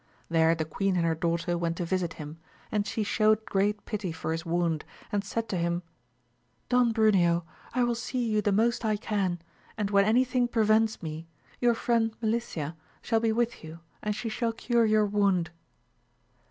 There the queen and her daughter went to visit him, and she shewed great pity for his wound, and said to him, Don Bruneo, I will see you the most I can, and when any thing prevents me, your friend Melicia shall be with you and she shall cure your wound.